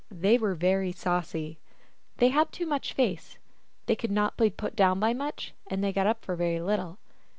They were very saucy. They had too much face. They could not be put down by much, and they got up for very little.